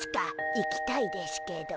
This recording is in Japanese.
行きたいでしゅけど。